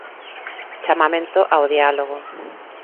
Chamamento ao diálogo.